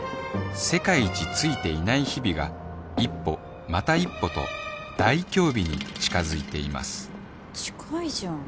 世界一ついていない日々が一歩また一歩と大凶日に近づいています近いじゃん。